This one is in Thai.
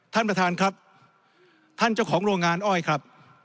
ท่านประธานครับท่านเจ้าของโรงงานอ้อยครับ